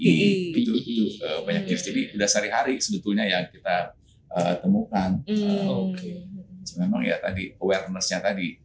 itu banyak tips jadi udah sehari hari sebetulnya yang kita temukan oke memang ya tadi awarenessnya tadi